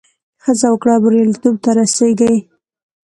هڅه وکړه، بریالیتوب ته رسېږې.